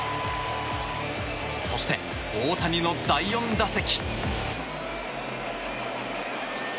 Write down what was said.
そして大谷の第４打席。